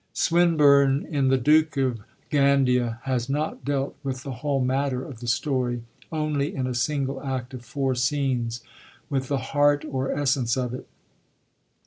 Swinburne in The Duke of Gandia has not dealt with the whole matter of the story only, in a single act of four scenes, with the heart or essence of it.